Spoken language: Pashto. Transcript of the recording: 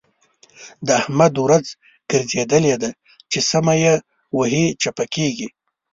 د احمد ورځ ګرځېدل ده؛ چې سمه يې وهي - چپه کېږي.